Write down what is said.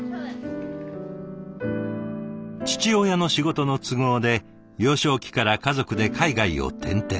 父親の仕事の都合で幼少期から家族で海外を転々。